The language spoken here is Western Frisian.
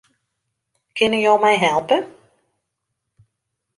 Kinne jo my helpe?